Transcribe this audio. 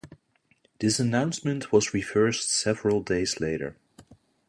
This announcement was reversed several days later.